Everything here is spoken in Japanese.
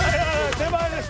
手前です